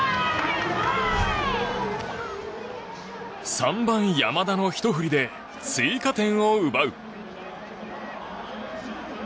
３番、山田のひと振りで追加点を奪う。